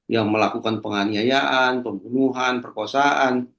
yang melakukan penganiayaan pembunuhan perkosaan